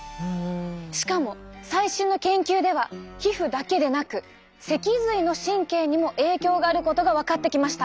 しかも最新の研究では皮膚だけでなく脊髄の神経にも影響があることが分かってきました。